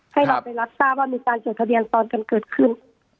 ให้เราไปรับทราบว่ามีการจดทะเบียนตอนกันเกิดขึ้น